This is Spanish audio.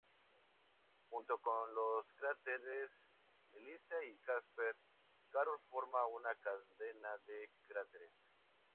Junto con los cráteres Melissa y Kasper, Carol forma una cadena de cráteres.